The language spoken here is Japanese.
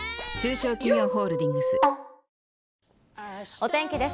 お天気です。